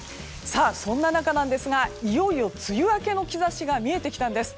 そんな中ですがいよいよ、梅雨明けの兆しが見えてきたんです。